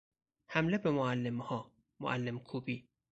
حمله به معلمها، معلم کوبی